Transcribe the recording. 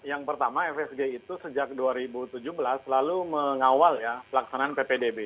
yang pertama fsg itu sejak dua ribu tujuh belas selalu mengawal ya pelaksanaan ppdb